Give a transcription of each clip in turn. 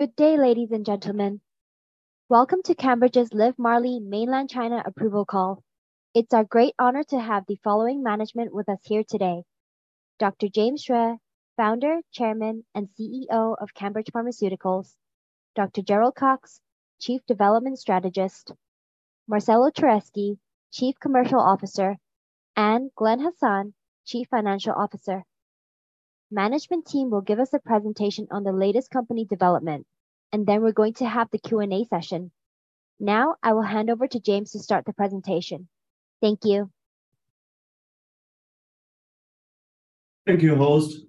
Good day, ladies and gentlemen. Welcome to CANbridge's LIVMARLI Mainland China approval call. It's our great honor to have the following management with us here today: Dr. James Xue, Founder, Chairman, and CEO of CANbridge Pharmaceuticals, Dr. Gerald Cox, Chief Development Strategist, Marcelo Cherksey, Chief Commercial Officer, and Glenn Hassan, Chief Financial Officer. Management team will give us a presentation on the latest company development, and then we're going to have the Q&A session. I will hand over to James to start the presentation. Thank you. Thank you, host.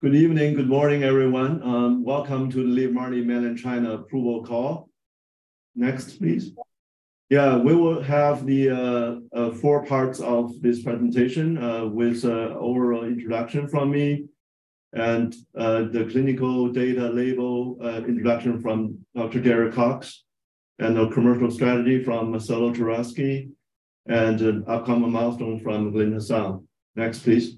Good evening, good morning, everyone, welcome to the LIVMARLI Mainland China approval call. Next, please. We will have the part parts of this presentation, with a overall introduction from me and the clinical data label introduction from Dr. Gerald Cox, and the commercial strategy from Marcelo Cherksey, and an upcoming milestone from Glenn Hassan. Next, please.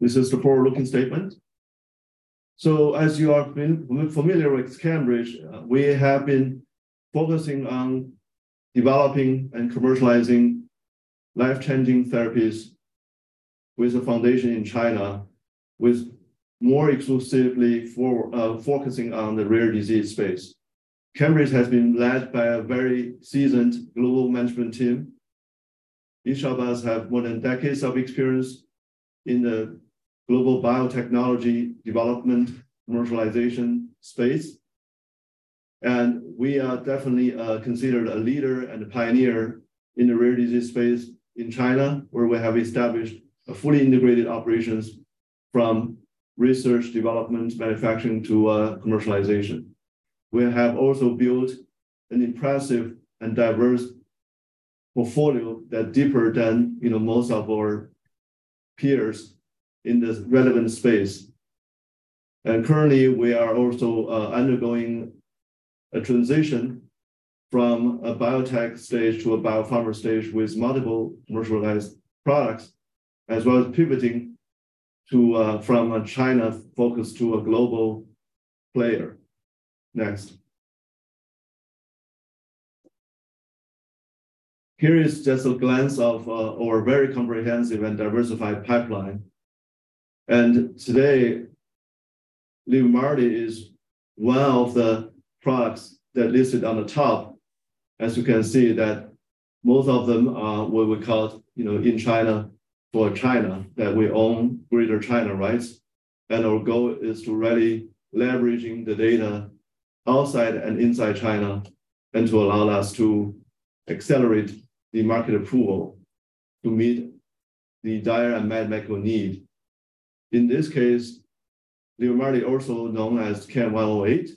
This is the forward-looking statement. As you are familiar with CANbridge, we have been focusing on developing and commercializing life-changing therapies with a foundation in China, with more exclusively for focusing on the rare disease space. CANbridge has been led by a very seasoned global management team. Each of us have more than decades of experience in the global biotechnology development, commercialization space, and we are definitely considered a leader and a pioneer in the rare disease space in China, where we have established a fully integrated operations from research, development, manufacturing to commercialization. We have also built an impressive and diverse portfolio that deeper than, you know, most of our peers in this relevant space. Currently, we are also undergoing a transition from a biotech stage to a biopharma stage with multiple commercialized products, as well as pivoting from a China focus to a global player. Next. Here is just a glance of our very comprehensive and diversified pipeline. Today, LIVMARLI is one of the products that listed on the top. As you can see, that most of them are what we call, you know, in China, for China, that we own Greater China rights. Our goal is to really leveraging the data outside and inside China, and to allow us to accelerate the market approval to meet the dire and medical need. In this case, LIVMARLI, also known as CAN108,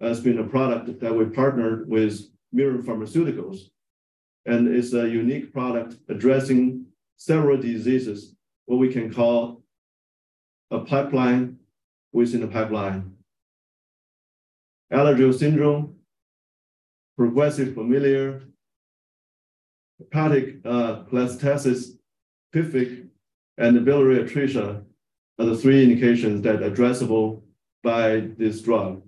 has been a product that we partnered with Mirum Pharmaceuticals and is a unique product addressing several diseases, what we can call a pipeline within a pipeline. Alagille syndrome, Progressive Familial Intrahepatic Cholestasis, PFIC, and biliary atresia are the three indications that addressable by this drug.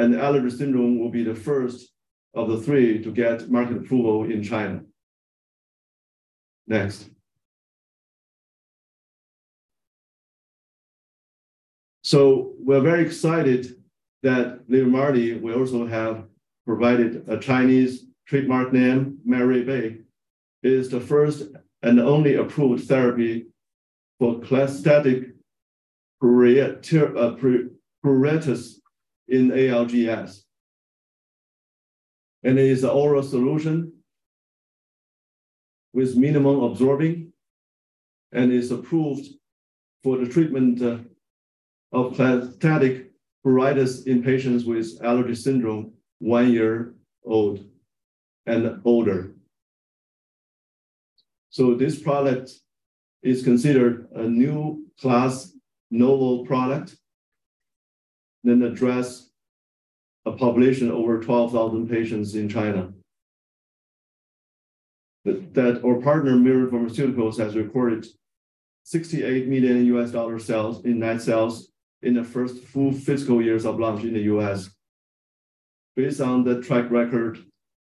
Alagille syndrome will be the first of the three to get market approval in China. Next. We're very excited that LIVMARLI, we also have provided a Chinese trademark name, [Foregn language]. It is the first and only approved therapy for cholestatic pruritus in ALGS, and it is an oral solution with minimum absorbing and is approved for the treatment of cholestatic pruritus in patients with Alagille syndrome, 1 year old and older. This product is considered a new class novel product, then address a population over 12,000 patients in China. Our partner, Mirum Pharmaceuticals, has recorded $68 million sales in net sales in the first full fiscal years of launch in the U.S. Based on the track record,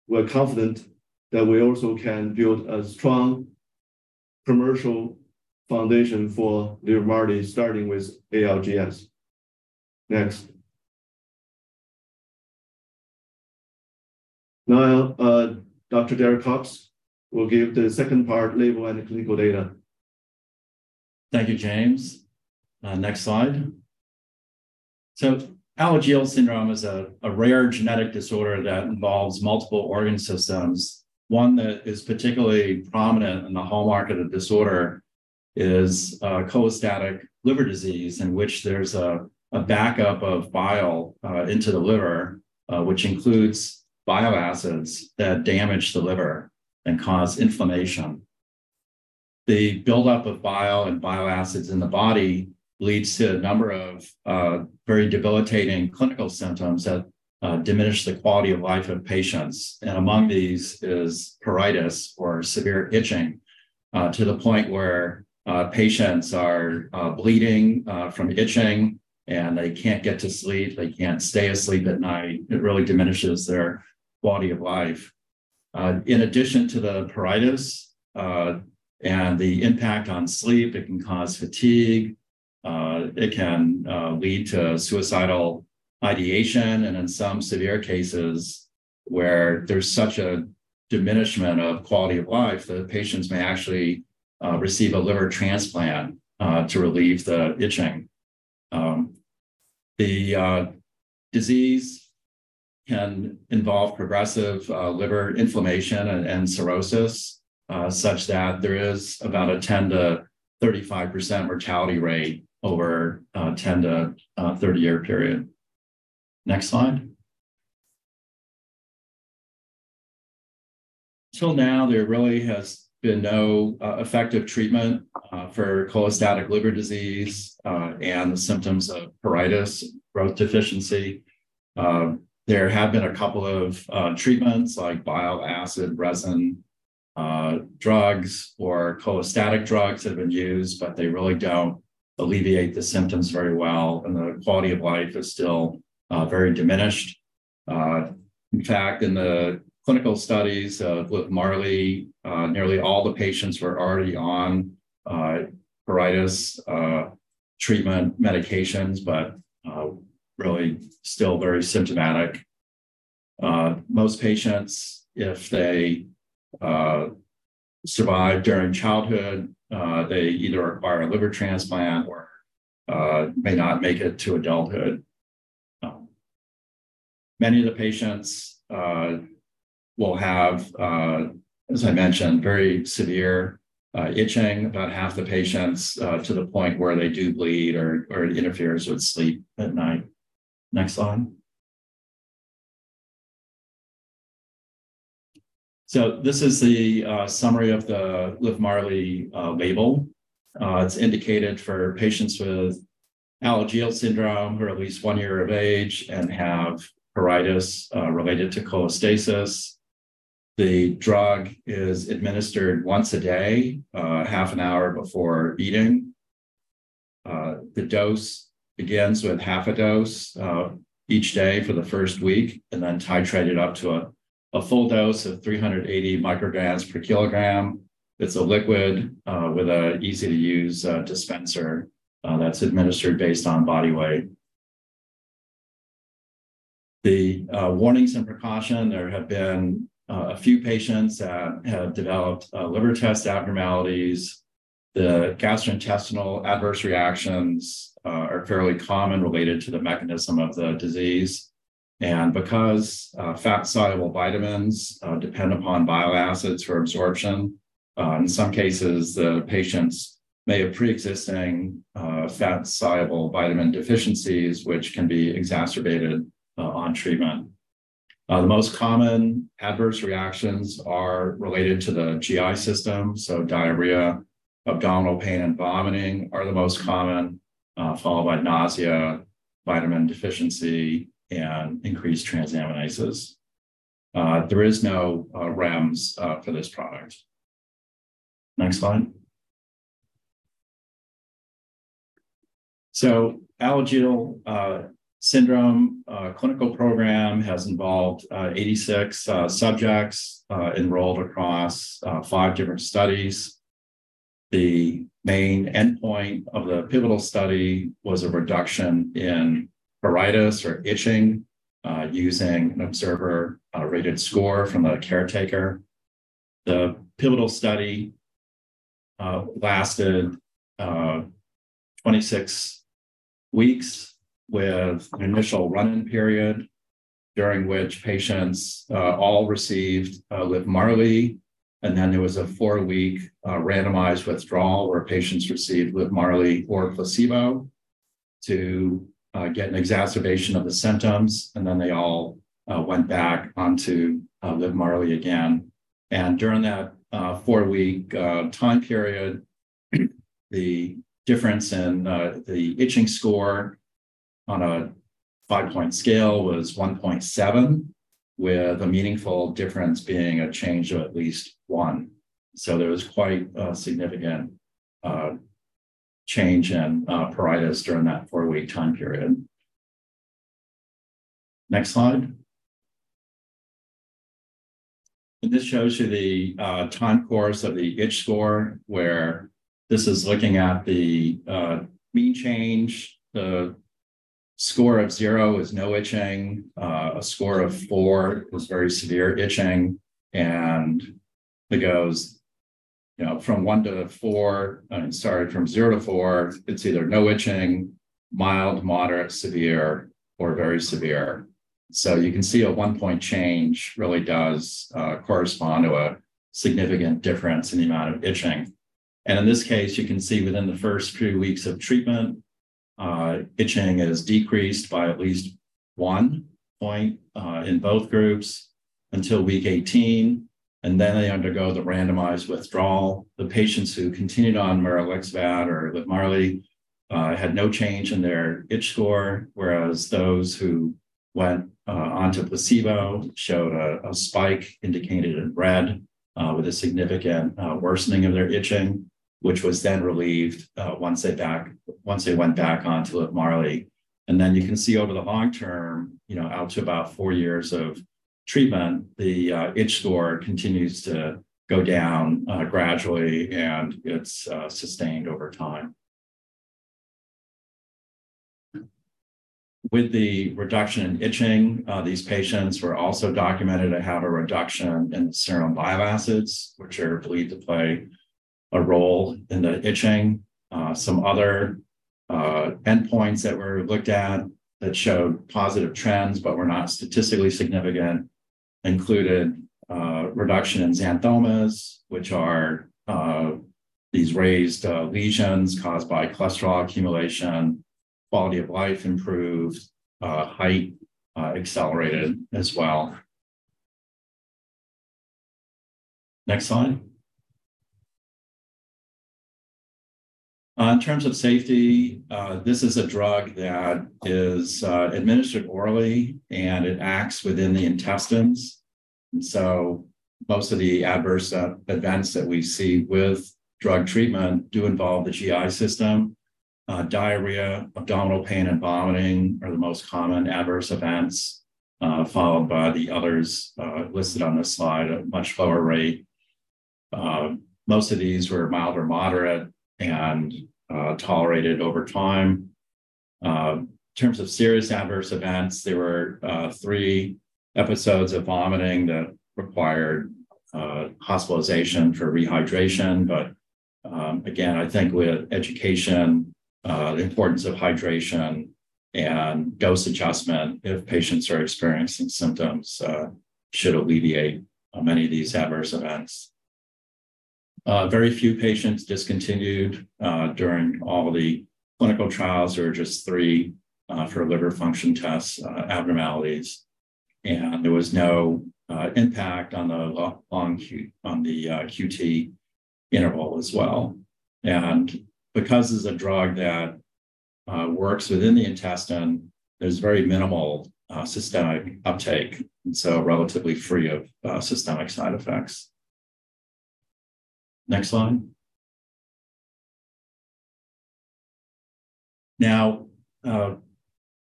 we're confident that we also can build a strong commercial foundation for LIVMARLI, starting with ALGS. Next. Now, Dr. Gerald Cox will give the second part, label and clinical data. Thank you, James. Next slide. Alagille syndrome is a rare genetic disorder that involves multiple organ systems. One that is particularly prominent in the hallmark of the disorder is cholestatic liver disease, in which there's a backup of bile into the liver, which includes bile acids that damage the liver and cause inflammation. The buildup of bile and bile acids in the body leads to a number of very debilitating clinical symptoms that diminish the quality of life of patients, and among these is pruritus, or severe itching, to the point where patients are bleeding from itching, and they can't get to sleep. They can't stay asleep at night. It really diminishes their quality of life. In addition to the pruritus, and the impact on sleep, it can cause fatigue, it can lead to suicidal ideation, and in some severe cases, where there's such a diminishment of quality of life, the patients may actually receive a liver transplant to relieve the itching. The disease can involve progressive liver inflammation and cirrhosis, such that there is about a 10%-35% mortality rate over a 10 year-30 year period. Next slide. Till now, there really has been no effective treatment for cholestatic liver disease, and the symptoms of pruritus, growth deficiency. There have been a couple of treatments like bile acid sequestrant drugs, or cholestatic drugs that have been used, but they really don't alleviate the symptoms very well, and the quality of life is still very diminished. In fact, in the clinical studies with LIVMARLI, nearly all the patients were already on pruritus treatment medications, but really still very symptomatic. Most patients, if they survive during childhood, they either require a liver transplant or may not make it to adulthood. Many of the patients will have, as I mentioned, very severe itching, about half the patients, to the point where they do bleed or it interferes with sleep at night. Next slide. So this is the summary of the LIVMARLI label. It's indicated for patients with Alagille syndrome, who are at least one year of age and have pruritus related to cholestasis. The drug is administered once a day, half an hour before eating. The dose begins with half a dose each day for the first week, and then titrated up to a full dose of 380 micrograms per kilogram. It's a liquid with an easy-to-use dispenser that's administered based on body weight. The warnings and precaution. There have been a few patients that have developed liver test abnormalities. The gastrointestinal adverse reactions are fairly common related to the mechanism of the disease. Because fat-soluble vitamins depend upon bile acids for absorption, in some cases, the patients may have preexisting fat-soluble vitamin deficiencies, which can be exacerbated on treatment. The most common adverse reactions are related to the GI system, so diarrhea, abdominal pain, and vomiting are the most common, followed by nausea, vitamin deficiency, and increased transaminases. There is no REMS for this product. Next slide. Alagille syndrome clinical program has involved 86 subjects enrolled across five different studies. The main endpoint of the pivotal study was a reduction in pruritus or itching using an observer-rated score from a caretaker. The pivotal study lasted 26 weeks, with an initial run-in period, during which patients all received LIVMARLI, and then there was a four week randomized withdrawal, where patients received LIVMARLI or placebo to get an exacerbation of the symptoms, and then they all went back onto LIVMARLI again. During that four week time period, the difference in the itching score on a five-point scale was 1.7, with a meaningful difference being a change of at least one. There was quite a significant change in pruritus during that four week time period. Next slide. This shows you the time course of the itch score, where this is looking at the mean change. The score of zero is no itching. A score of four was very severe itching, and it goes, you know, from 1-4, sorry, from 0-4, it's either no itching, mild, moderate, severe, or very severe. You can see a 1-point change really does correspond to a significant difference in the amount of itching. In this case, you can see within the first few weeks of treatment, itching is decreased by at least one point in both groups until week 18, then they undergo the randomized withdrawal. The patients who continued on maralixibat or LIVMARLI had no change in their itch score, whereas those who went onto placebo showed a spike indicated in red, with a significant worsening of their itching, which was then relieved once they went back onto LIVMARLI. Then you can see over the long term, you know, out to about four years of treatment, the itch score continues to go down gradually, and it's sustained over time. With the reduction in itching, these patients were also documented to have a reduction in serum bile acids, which are believed to play a role in the itching. Some other endpoints that were looked at that showed positive trends but were not statistically significant, included reduction in xanthomas, which are these raised lesions caused by cholesterol accumulation. Quality of life improved, height accelerated as well. Next slide. In terms of safety, this is a drug that is administered orally, and it acts within the intestines. Most of the adverse events that we see with drug treatment do involve the GI system. Diarrhea, abdominal pain, and vomiting are the most common adverse events, followed by the others listed on this slide at a much lower rate. Most of these were mild or moderate and tolerated over time. In terms of serious adverse events, there were three episodes of vomiting that required hospitalization for rehydration. Again, I think with education, the importance of hydration and dose adjustment, if patients are experiencing symptoms, should alleviate many of these adverse events. Very few patients discontinued during all the clinical trials, or just three, for liver function tests, abnormalities, and there was no impact on the QT interval as well. Because it's a drug that works within the intestine, there's very minimal systemic uptake, and so relatively free of systemic side effects. Next slide.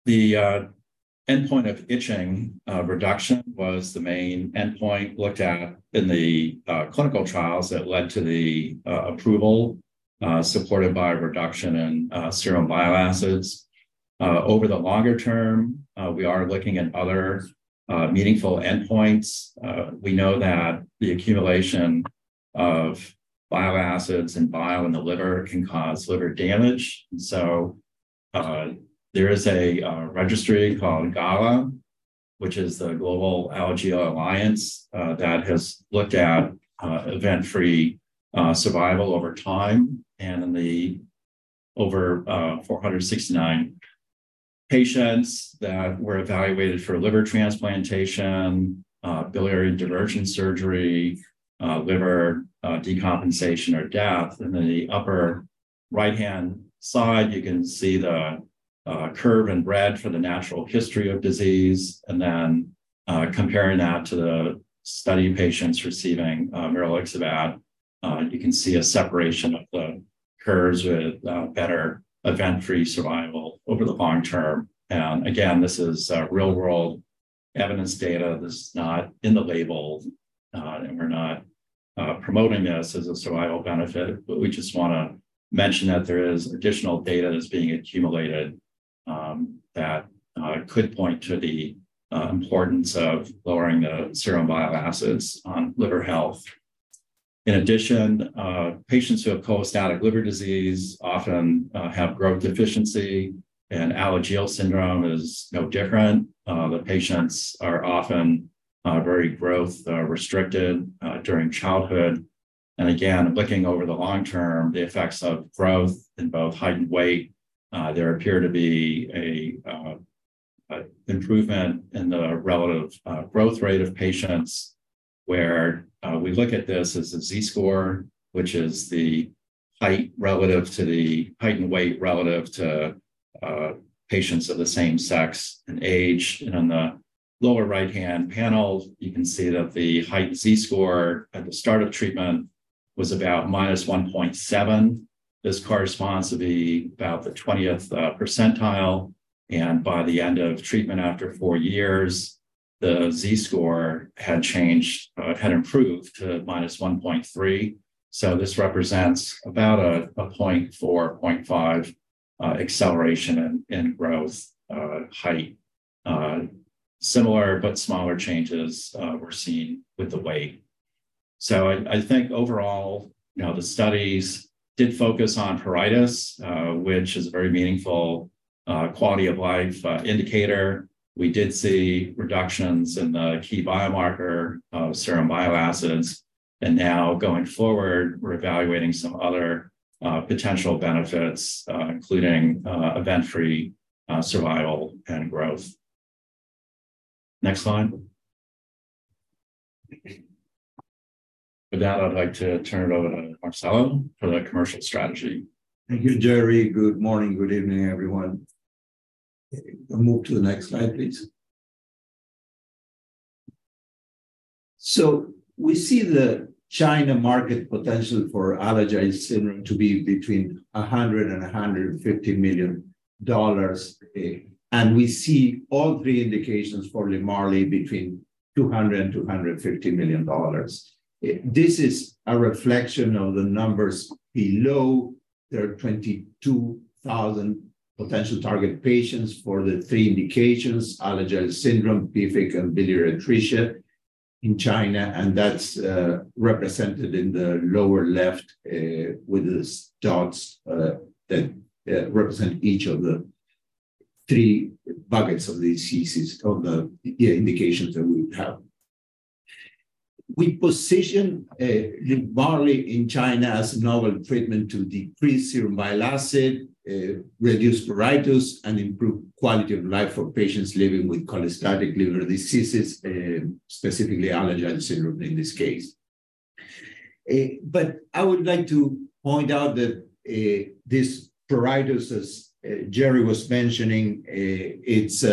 The endpoint of itching reduction was the main endpoint looked at in the clinical trials that led to the approval, supported by a reduction in serum bile acids. Over the longer term, we are looking at other meaningful endpoints. We know that the accumulation of bile acids and bile in the liver can cause liver damage. There is a registry called GALA, which is the Global ALagille Alliance, that has looked at event-free survival over time. In the over 469 patients that were evaluated for liver transplantation, biliary diversion surgery, liver decompensation or death. In the upper right-hand side, you can see the curve in red for the natural history of disease, and then comparing that to the study patients receiving maralixibat. You can see a separation of the curves with better event-free survival over the long term. Again, this is real-world evidence data. This is not in the label, and we're not promoting this as a survival benefit, but we just wanna mention that there is additional data that's being accumulated that could point to the importance of lowering the serum bile acids on liver health. In addition, patients who have cholestatic liver disease often have growth deficiency, and Alagille syndrome is no different. The patients are often very growth restricted during childhood. Again, looking over the long term, the effects of growth in both height and weight, there appear to be a improvement in the relative growth rate of patients, where we look at this as a Z-score, which is the height relative to the height and weight relative to patients of the same sex and age. On the lower right-hand panel, you can see that the height Z-score at the start of treatment was about minus 1.7. This corresponds to the, about the 20th percentile, and by the end of treatment after 4 years, the Z-score had improved to minus 1.3. This represents about a 0.4, 0.5 acceleration in growth, height. Similar but smaller changes were seen with the weight. I think overall, you know, the studies did focus on pruritus, which is a very meaningful quality of life indicator. We did see reductions in the key biomarker of serum bile acids, and now going forward, we're evaluating some other potential benefits, including event-free survival and growth. Next slide. With that, I'd like to turn it over to Marcelo for the commercial strategy. Thank you, Jerry. Good morning, good evening, everyone. Move to the next slide, please. We see the China market potential for Alagille syndrome to be between $100 million and $150 million, and we see all three indications for LIVMARLI between $200 million and $250 million. This is a reflection of the numbers below. There are 22,000 potential target patients for the three indications: Alagille syndrome, bile and biliary atresia in China, and that's represented in the lower left with these dots that represent each of the three buckets of diseases of the indications that we have. We position LIVMARLI in China as novel treatment to decrease serum bile acid, reduce pruritus, and improve quality of life for patients living with cholestatic liver diseases, specifically Alagille syndrome in this case. I would like to point out that this pruritus, as Jerry was mentioning, it's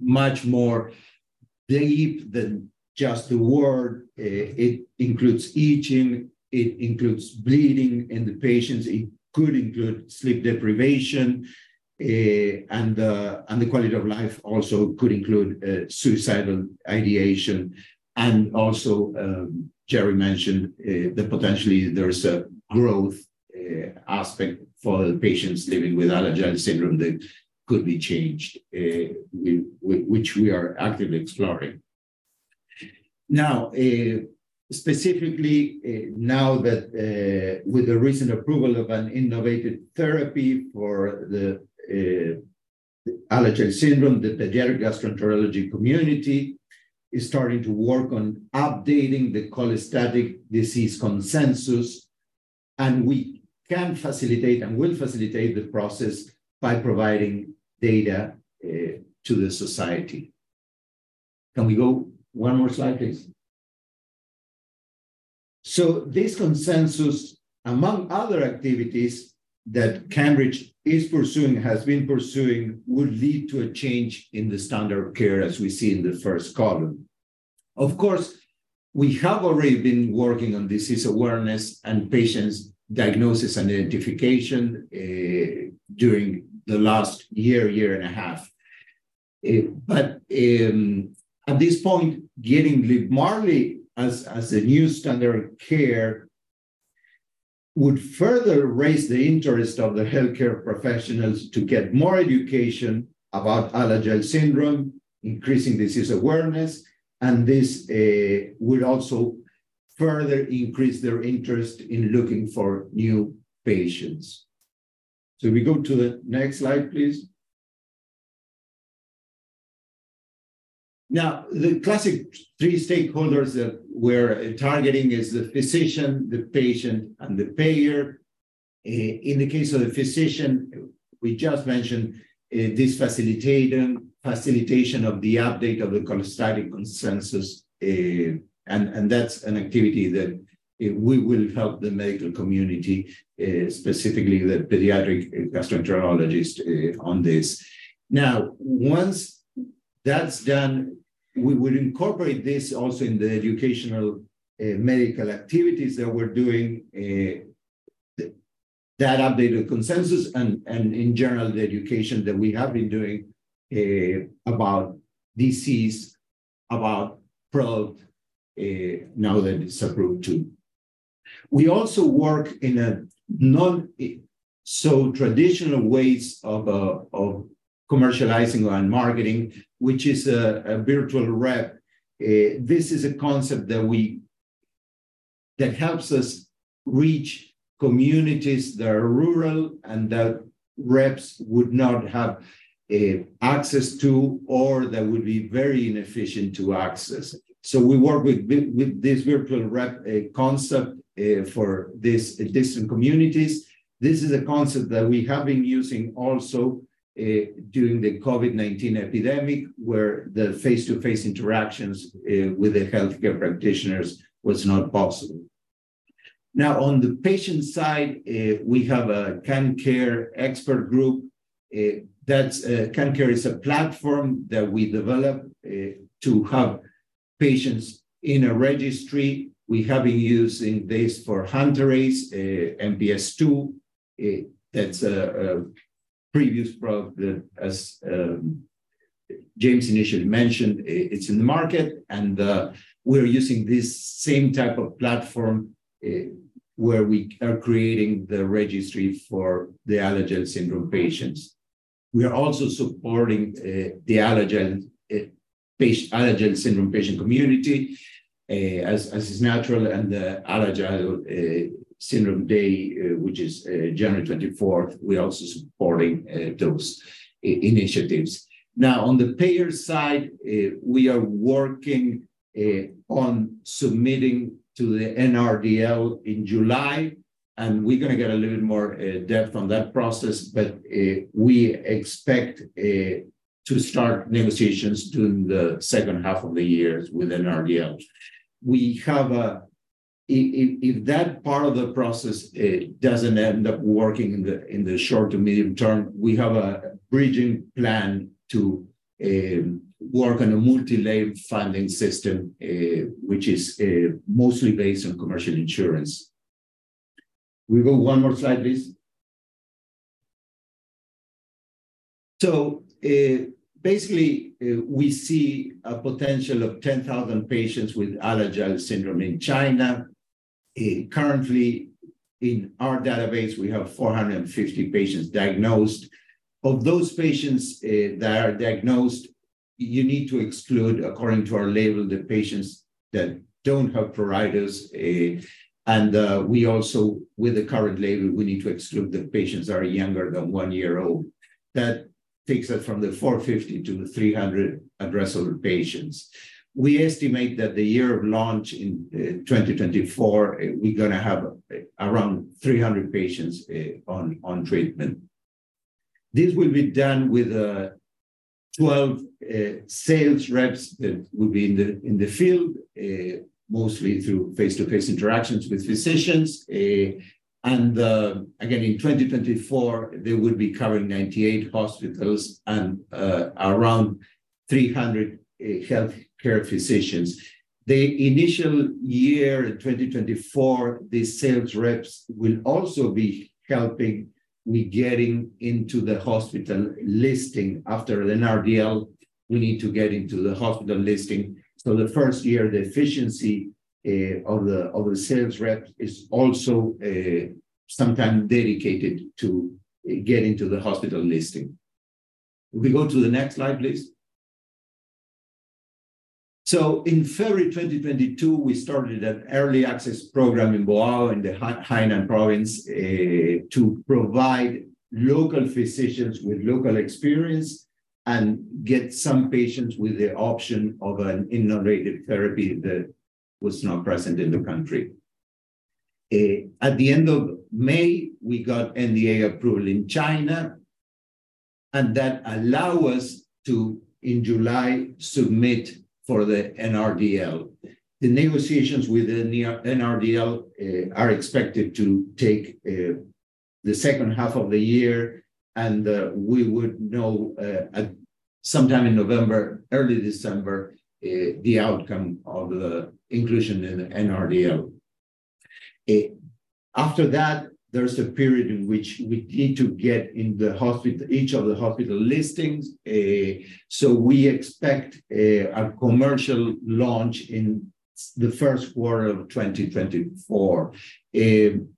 much more deep than just the word. It includes itching, it includes bleeding in the patients, it could include sleep deprivation, and the quality of life also could include suicidal ideation. Also, Jerry mentioned that potentially there is a growth aspect for the patients living with Alagille syndrome that could be changed, which we are actively exploring. Specifically, now that with the recent approval of an innovative therapy for the Alagille syndrome, the pediatric gastroenterology community is starting to work on updating the cholestatic disease consensus, and we can facilitate and will facilitate the process by providing data to the society. Can we go one more slide, please? This consensus, among other activities that CANbridge is pursuing, has been pursuing, would lead to a change in the standard of care, as we see in the first column. Of course, we have already been working on disease awareness and patients diagnosis and identification, during the last year and a half. At this point, getting LIVMARLI as a new standard of care would further raise the interest of the healthcare professionals to get more education about Alagille syndrome, increasing disease awareness, and this would also further increase their interest in looking for new patients. We go to the next slide, please. Now, the classic three stakeholders that we're targeting is the physician, the patient, and the payer. In the case of the physician, we just mentioned, this facilitation of the update of the cholestatic consensus, and that's an activity that we will help the medical community, specifically the pediatric gastroenterologist, on this. Now, once that's done, we would incorporate this also in the educational, medical activities that we're doing, that updated consensus and in general, the education that we have been doing, about disease, about product, now that it's approved too. We also work in a not so traditional ways of commercializing and marketing, which is a virtual rep. This is a concept that helps us reach communities that are rural and that reps would not have access to, or that would be very inefficient to access. We work with this virtual rep concept for these distant communities. This is a concept that we have been using also during the COVID-19 epidemic, where the face-to-face interactions with the healthcare practitioners was not possible. On the patient side, we have a CamCare expert group. That's CamCare is a platform that we developed to have patients in a registry. We have been using this for Hunterase, MPS II. That's a previous product that as James initially mentioned, it's in the market, and we're using this same type of platform where we are creating the registry for the Alagille syndrome patients. We are also supporting the Alagille syndrome patient community as is natural, and the Alagille Syndrome Day, which is January 24th, we're also supporting those initiatives. On the payer side, we are working on submitting to the NRDL in July. And we're gonna get a little more depth on that process, but we expect to start negotiations during the second half of the year with NRDL. We have if that part of the process doesn't end up working in the short to medium term, we have a bridging plan to work on a multi-layered funding system, which is mostly based on commercial insurance. We go one more slide, please. Basically, we see a potential of 10,000 patients with Alagille syndrome in China. Currently, in our database, we have 450 patients diagnosed. Of those patients that are diagnosed, you need to exclude, according to our label, the patients that don't have pruritus. We also, with the current label, we need to exclude the patients that are younger than 1 year old. That takes us from the 450-300 addressable patients. We estimate that the year of launch in 2024, we're gonna have around 300 patients on treatment. This will be done with 12 sales reps that will be in the field, mostly through face-to-face interactions with physicians. Again, in 2024, they will be covering 98 hospitals and around 300 healthcare physicians. The initial year, in 2024, the sales reps will also be helping with getting into the hospital listing. After the NRDL, we need to get into the hospital listing. The first year, the efficiency of the sales rep is also sometime dedicated to getting to the hospital listing. We go to the next slide, please. In February 2022, we started an early access program in Boao, in the Hainan Province, to provide local physicians with local experience and get some patients with the option of an innovative therapy that was not present in the country. At the end of May, we got NDA approval in China, that allow us to, in July, submit for the NRDL. The negotiations with the NRDL are expected to take the second half of the year, and we would know at sometime in November, early December, the outcome of the inclusion in the NRDL. After that, there's a period in which we need to get in each of the hospital listings. We expect a commercial launch in the first quarter of 2024.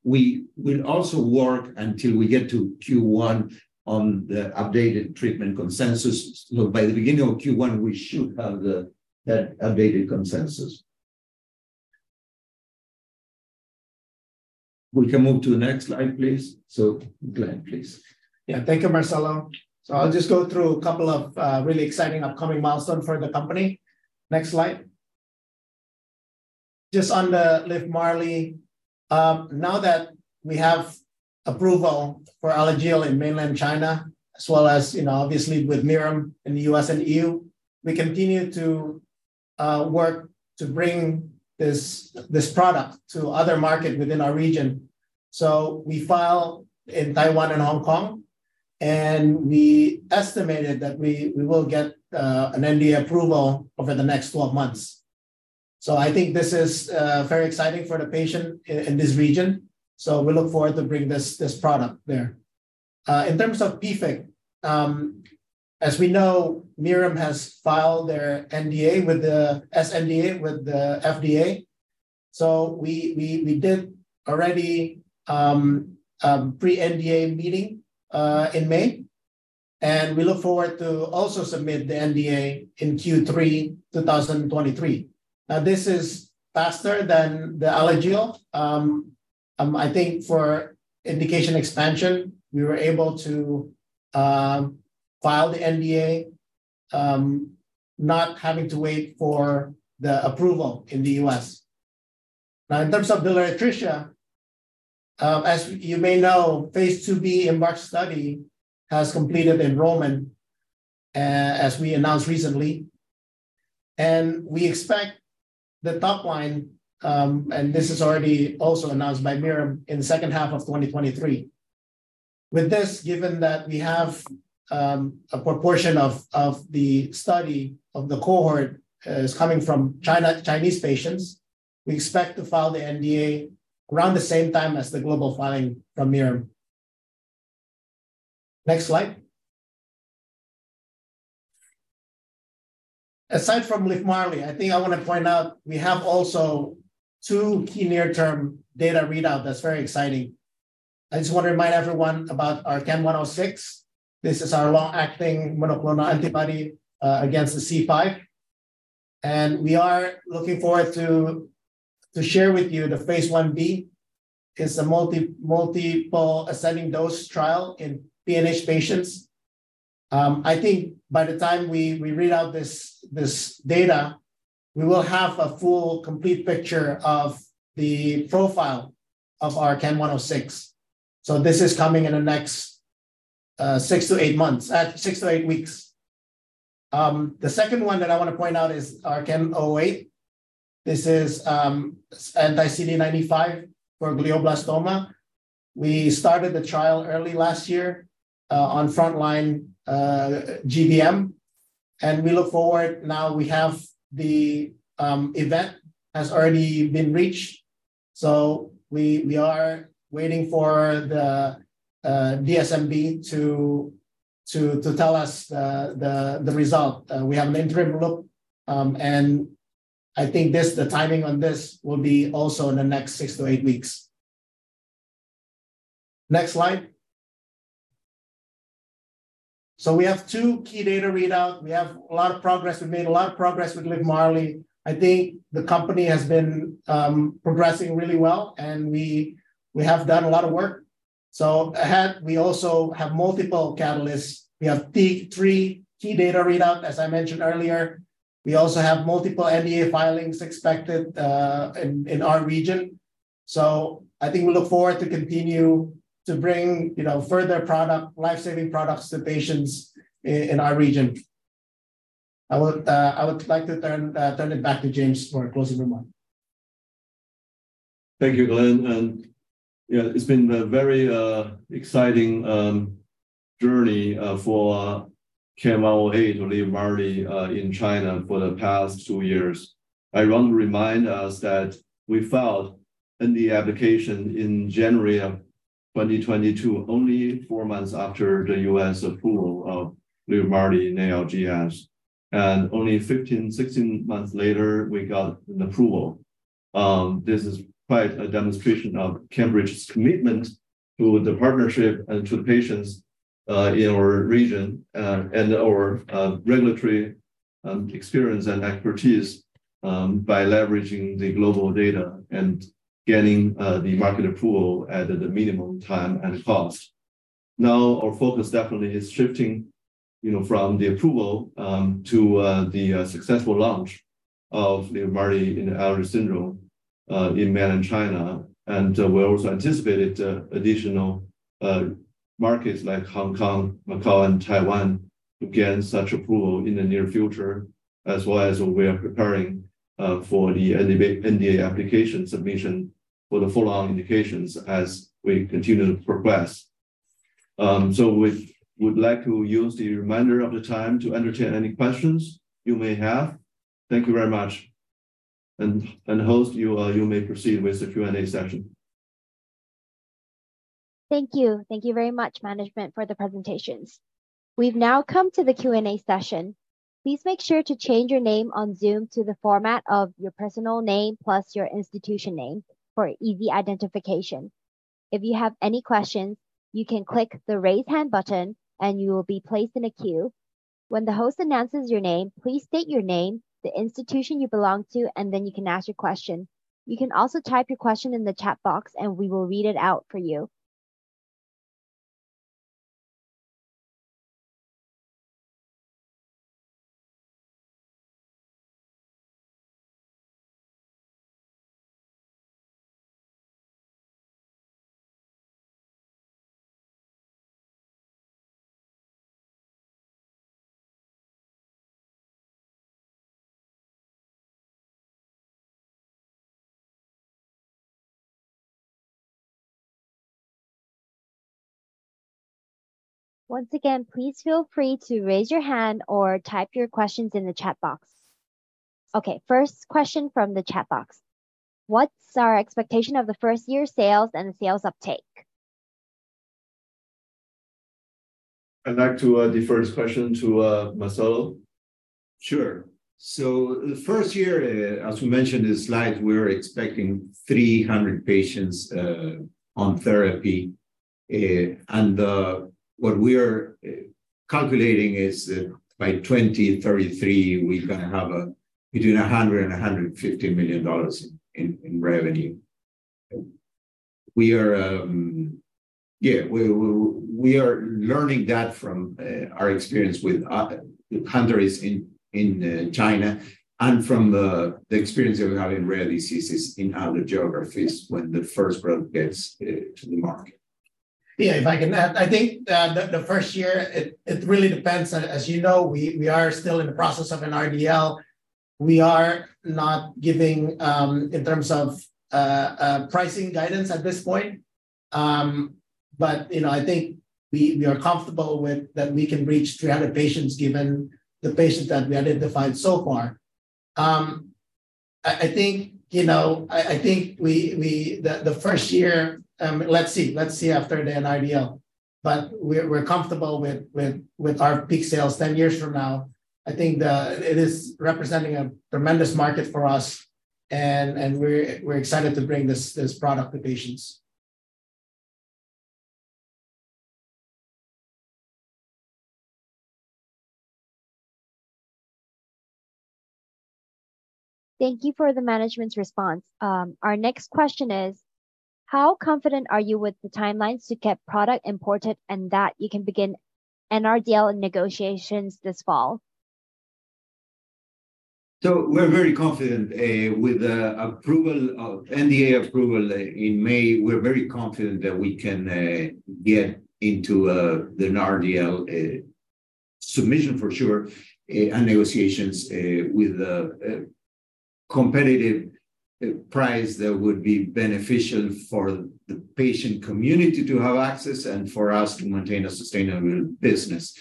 We will also work until we get to Q1 on the updated treatment consensus. By the beginning of Q1, we should have that updated consensus. We can move to the next slide, please. Glenn, please. Yeah. Thank you, Marcelo. I'll just go through a couple of really exciting upcoming milestone for the company. Next slide. Just on the LIVMARLI, now that we have approval for Alagille in mainland China, as well as, you know, obviously with Mirum in the U.S. and EU, we continue to work to bring this product to other market within our region. We file in Taiwan and Hong Kong, and we estimated that we will get an NDA approval over the next 12 months. I think this is very exciting for the patient in this region, so we look forward to bring this product there. In terms of PFIC, as we know, Mirum has filed their sNDA with the FDA. We did already a pre-NDA meeting in May, and we look forward to also submit the NDA in Q3 2023. This is faster than the Alagille. I think for indication expansion, we were able to file the NDA not having to wait for the approval in the U.S. In terms of the biliary atresia, as you may know, phase 2b EMBARK study has completed enrollment as we announced recently, and we expect the top line. This is already also announced by Mirum, in the second half of 2023. With this, given that we have a proportion of the study, of the cohort, is coming from China, Chinese patients, we expect to file the NDA around the same time as the global filing from Mirum. Next slide. Aside from LIVMARLI, I think I wanna point out, we have also two key near-term data readout that's very exciting. I just want to remind everyone about our CAN106. This is our long-acting monoclonal antibody against the C5, and we are looking forward to share with you the phase Ib. It's a multiple ascending-dose trial in PNH patients. I think by the time we read out this data, we will have a full, complete picture of the profile of our CAN106. This is coming in the next 6-8 weeks. The second one that I want to point out is our CAN008. This is anti-CD95 for glioblastoma. We started the trial early last year on frontline GBM, and we look forward now we have the event has already been reached, so we are waiting for the DSMB to tell us the result. We have an interim look, and I think the timing on this will be also in the next six to eight weeks. Next slide. We have two key data readout. We have a lot of progress. We've made a lot of progress with LIVMARLI. I think the company has been progressing really well, and we have done a lot of work. Ahead, we also have multiple catalysts. We have three key data readout, as I mentioned earlier. We also have multiple NDA filings expected in our region. I think we look forward to continue to bring, you know, further life-saving products to patients in our region. I would like to turn it back to James for a closing remark. Thank you, Glenn. Yeah, it's been a very exciting journey for CAN008 or LIVMARLI in China for the past two years. I want to remind us that we filed NDA application in January of 2022, only four months after the U.S. approval of LIVMARLI in ALGS, and only 15, 16 months later, we got an approval. This is quite a demonstration of CANbridge's commitment to the partnership and to the patients in our region and our regulatory experience and expertise by leveraging the global data and getting the market approval at a minimum time and cost. Now, our focus definitely is shifting, you know, from the approval to the successful launch of LIVMARLI in Alagille syndrome in mainland China. We also anticipated additional markets like Hong Kong, Macau, and Taiwan to gain such approval in the near future, as well as we are preparing for the NDA application submission for the full-on indications as we continue to progress. We would like to use the remainder of the time to entertain any questions you may have. Thank you very much. Host, you may proceed with the Q&A session. Thank you. Thank you very much, management, for the presentations. We've now come to the Q&A session. Please make sure to change your name on Zoom to the format of your personal name, plus your institution name for easy identification. If you have any questions, you can click the Raise Hand button, and you will be placed in a queue. When the host announces your name, please state your name, the institution you belong to, and then you can ask your question. You can also type your question in the chat box, and we will read it out for you. Once again, please feel free to raise your hand or type your questions in the chat box. Okay, first question from the chat box: What's our expectation of the first-year sales and sales uptake? I'd like to defer this question to Marcelo. Sure. The first year, as we mentioned in the slide, we're expecting 300 patients on therapy. What we are calculating is that by 2033, we're gonna have between $100 million and $150 million in revenue. We are, yeah, we are learning that from our experience with countries in China and from the experience that we have in rare diseases in other geographies when the first product gets to the market. If I can add, I think, the first year, it really depends. As you know, we are still in the process of an NRDL. We are not giving, in terms of pricing guidance at this point. You know, I think we are comfortable that we can reach 300 patients, given the patients that we identified so far. I think, you know, I think The first year, let's see. Let's see after the NRDL. We're comfortable with our peak sales 10 years from now. I think it is representing a tremendous market for us, and we're excited to bring this product to patients. Thank you for the management's response. Our next question is: How confident are you with the timelines to get product imported, and that you can begin an NRDL negotiations this fall? We're very confident, with the NDA approval in May, we're very confident that we can get into the NRDL submission for sure, and negotiations with a competitive price that would be beneficial for the patient community to have access and for us to maintain a sustainable business.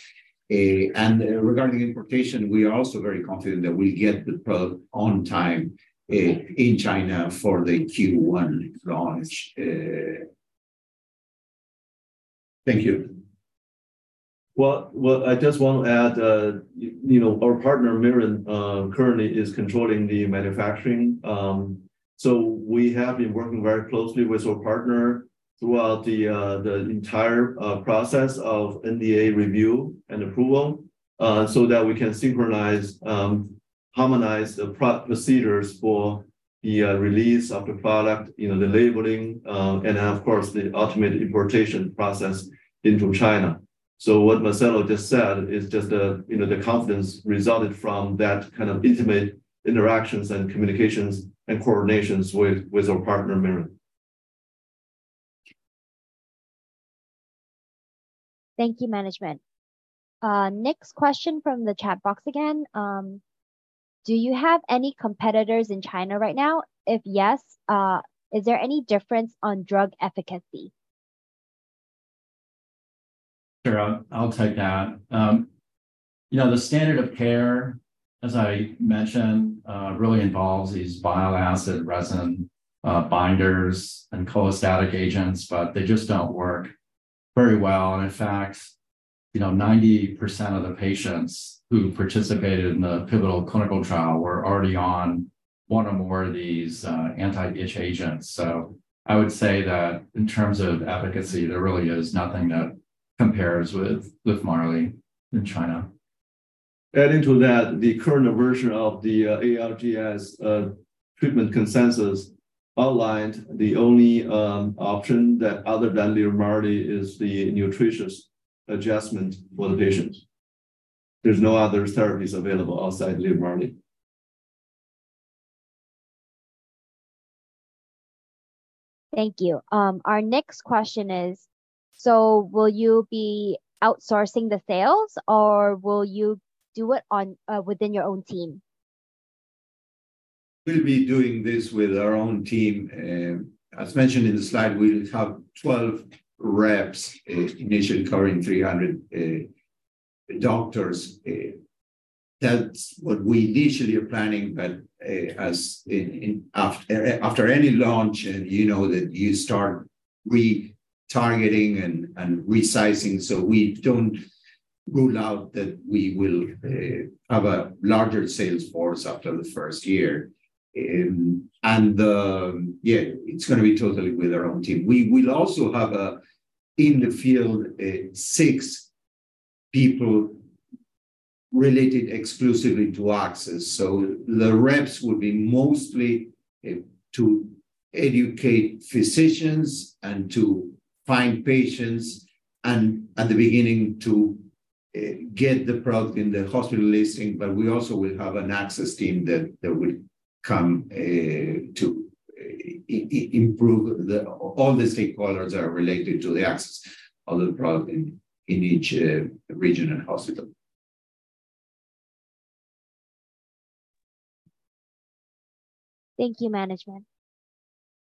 Regarding importation, we are also very confident that we'll get the product on time in China for the Q1 launch. Thank you. Well, I just want to add, you know, our partner, Mirum, currently is controlling the manufacturing. We have been working very closely with our partner throughout the entire process of NDA review and approval, so that we can synchronize, harmonize the procedures for the release of the product, you know, the labeling, and then, of course, the ultimate importation process into China. What Marcelo just said is just, you know, the confidence resulted from that kind of intimate interactions and communications and coordinations with our partner, Mirum. Thank you, management. Next question from the chat box again. Do you have any competitors in China right now? If yes, is there any difference on drug efficacy? Sure, I'll take that. you know, the standard of care, as I mentioned, really involves these bile acid sequestrant binders and cholestatic agents, but they just don't work very well. In fact, you know, 90% of the patients who participated in the pivotal clinical trial were already on one or more of these anti-itch agents. I would say that in terms of efficacy, there really is nothing that compares with LIVMARLI in China. The current version of the ALGS treatment consensus outlined the only option that other than LIVMARLI is the nutritional adjustment for the patients. There's no other therapies available outside LIVMARLI. Thank you. Our next question is: Will you be outsourcing the sales, or will you do it on within your own team? We'll be doing this with our own team. As mentioned in the slide, we will have 12 reps, initially covering 300 doctors. That's what we initially are planning, but as after any launch, and you know, that you start retargeting and resizing. We don't rule out that we will have a larger sales force after the first year. Yeah, it's gonna be totally with our own team. We will also have a, in the field, six people related exclusively to access. The reps will be mostly to educate physicians and to find patients, and at the beginning, to get the product in the hospital listing. We also will have an access team that will come to improve the... all the stakeholders that are related to the access of the product in each, region and hospital. Thank you, management.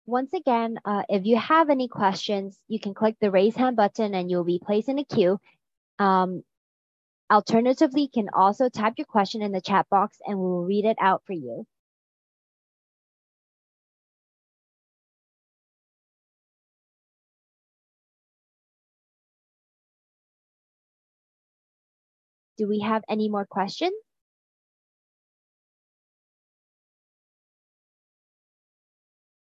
Once again, if you have any questions, you can click the Raise Hand button, and you'll be placed in a queue. Alternatively, you can also type your question in the chat box, and we will read it out for you. Do we have any more questions?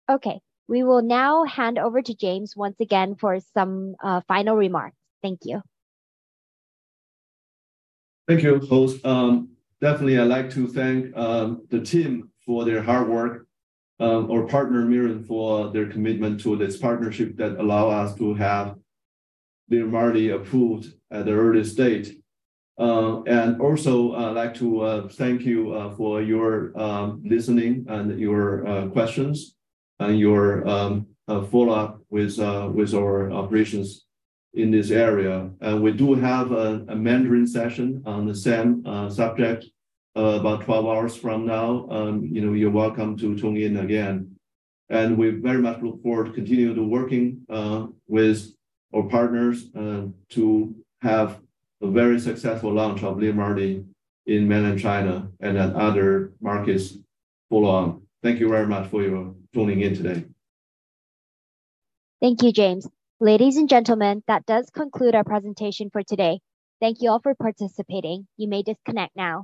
Okay, we will now hand over to James once again for some final remarks. Thank you. Thank you, host. Definitely, I'd like to thank the team for their hard work, our partner, Mirum, for their commitment to this partnership that allow us to have LIVMARLI approved at the earliest date. Also, I'd like to thank you for your listening and your questions, and your follow-up with our operations in this area. We do have a Mandarin session on the same subject about 12 hours from now. You know, you're welcome to tune in again, and we very much look forward to continue to working with our partners to have a very successful launch of LIVMARLI in mainland China and then other markets follow on. Thank you very much for your tuning in today. Thank you, James. Ladies and gentlemen, that does conclude our presentation for today. Thank you all for participating. You may disconnect now.